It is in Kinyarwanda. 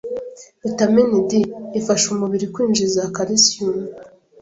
Vitamin D, ifasha umubiri kwinjiza kalisiyumu